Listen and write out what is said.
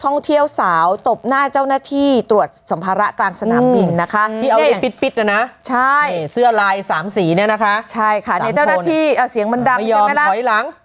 นี่เจ้าหน้าที่เอ้าเสียงมันดำใช่ไหมล่ะ